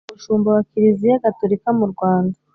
umushumba wa kiriziya gaturika murwanda